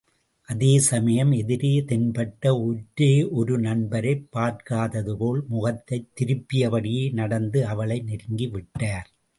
அதேசமயம் எதிரே தென்பட்ட ஒரே ஒரு நண்பரைப் பார்க்காததுபோல் முகத்தைத் திரும்பியபடியே நடந்து அவளை நெருங்கி விட்டார்.